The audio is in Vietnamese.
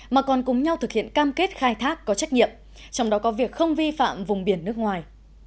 mà còn cùng nhau thực hiện cam kết khai thác có trách nhiệm trong đó có việc không vi phạm vùng biển nước ngoài